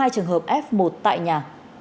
hai trường hợp f một tại nhà